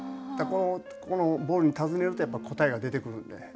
このボールに尋ねるとやっぱ答えが出てくるんで。